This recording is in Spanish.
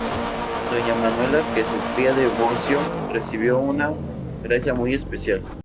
Doña Manuela, que sufría de bocio, recibió una gracia muy especial.